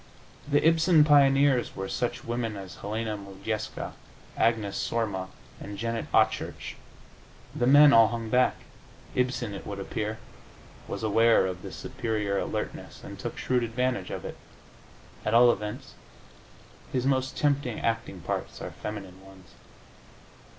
The Ibsen pioneers were such women as Helena Modjeska, Agnes Sorma and Janet Achurch; the men all hung back. Ibsen, it would appear, was aware of this superior alertness and took shrewd advantage of it. At all events, his most tempting acting parts are feminine ones.